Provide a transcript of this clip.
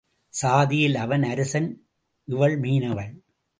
சாதியில் அவன் அரசன் இவள் மீனவள்.